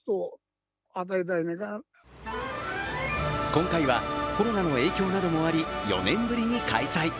今回はコロナの影響などもあり４年ぶりに開催。